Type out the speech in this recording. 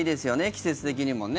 季節的にもね。